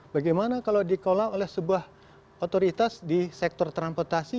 bagaimana kalau dikelola oleh sebuah otoritas di sektor transportasi